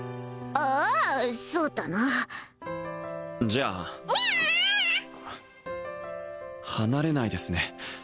ああそうだなじゃあ離れないですね